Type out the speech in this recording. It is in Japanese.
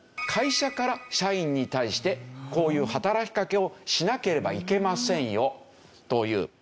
会社から社員に対してこういう働きかけをしなければいけませんよという。